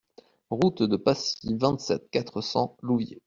Route de Pacy, vingt-sept, quatre cents Louviers